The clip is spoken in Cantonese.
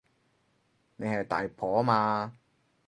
你係大婆嘛